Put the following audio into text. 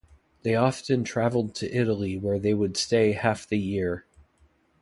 They often traveled to Italy where they would stay half the year.